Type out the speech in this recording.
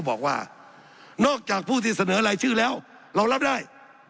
สับขาหลอกกันไปสับขาหลอกกันไป